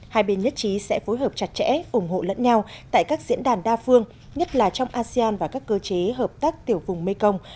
hai bên nhất trí sẽ phối hợp chặt chẽ ủng hộ lẫn nhau tại các diễn đàn đa phương nhất là trong asean và các cơ chế hợp tác tiểu vùng mekong